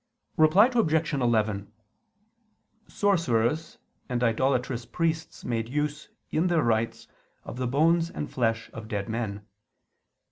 Reply Obj. 11: Sorcerers and idolatrous priests made use, in their rites, of the bones and flesh of dead men.